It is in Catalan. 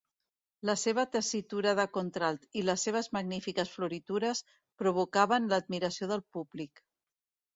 La seva tessitura de contralt i les seves magnífiques floritures provocaven l'admiració del públic.